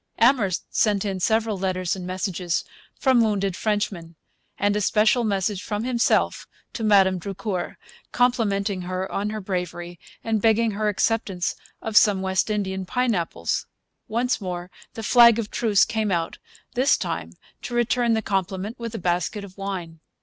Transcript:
Amherst sent in several letters and messages from wounded Frenchmen, and a special message from himself to Madame Drucour, complimenting her upon her bravery, and begging her acceptance of some West Indian pineapples. Once more the flag of truce came out, this time to return the compliment with a basket of wine.